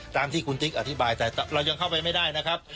ตามที่คุณติ๊กอธิบายแต่เรายังเข้าไปไม่ได้นะครับ